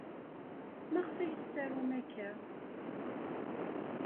Maɣef ay tettarum akka?